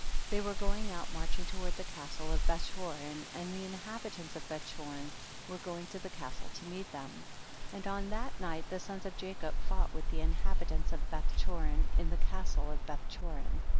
2. They were going out marching toward the castle of Bethchorin, and the inhabitants of Bethchorin were going to the castle to meet them, and on that night the sons of Jacob fought with the inhabitants of Beth chorin, in the castle of Bethchorin.